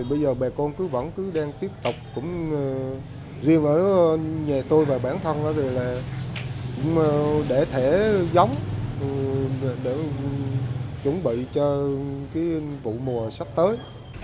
bây giờ bà con vẫn cứ đang tiếp tục riêng ở nhà tôi và bản thân là để thể giống để chuẩn bị cho vụ mùa sắp tới